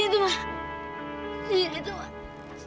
gue gak boleh cerai